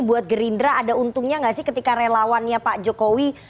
buat gerindra ada untungnya nggak sih ketika relawannya pak jokowi